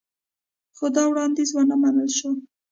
خو دا وړاندیز ونه منل شو